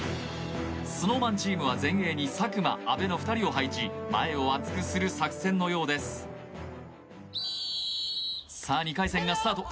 ＳｎｏｗＭａｎチームは前衛に佐久間阿部の２人を配置前を厚くする作戦のようですさあ２回戦がスタート